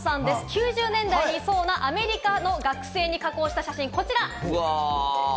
９０年代にいそうなアメリカの学生に加工した写真、こちら。